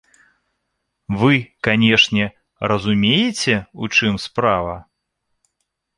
Вы, канешне, разумееце, у чым справа?